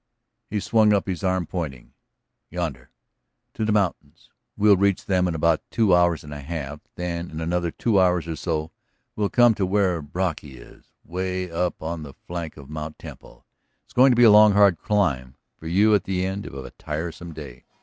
He swung up his arm, pointing. "Yonder. To the mountains. We'll reach them in about two hours and a half. Then, in another two hours or so, we'll come to where Brocky is. Way up on the flank of Mt. Temple. It's going to be a long, hard climb. For you, at the end of a tiresome day.